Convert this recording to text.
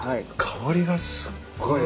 香りがすっごい。